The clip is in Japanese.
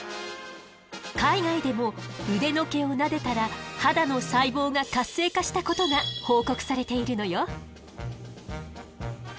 海外でも腕の毛をなでたら肌の細胞が活性化したことが報告されているのよ。